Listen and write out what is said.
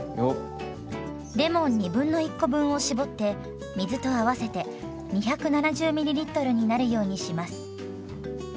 レモン1/2コ分を絞って水と合わせて２７０ｍｌになるようにします。